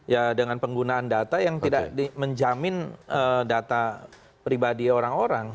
ya dengan penggunaan data yang tidak menjamin data pribadi orang orang